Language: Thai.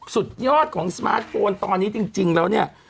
สุดยอดของสมาร์ทโฟนตอนนี้จริงแล้วเนี่ย